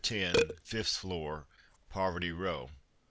10, 5th floor, Poverty Row."